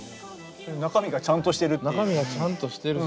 中身がちゃんとしてるっていう。